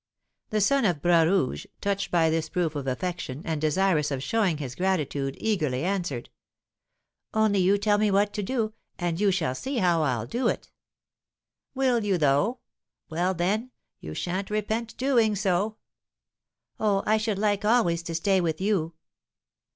The son of Bras Rouge, touched by this proof of affection, and desirous of showing his gratitude, eagerly answered: "Only you tell me what to do, and you shall see how I'll do it." "Will you, though? Well, then, you sha'n't repent doing so." "Oh, I should like always to stay with you!"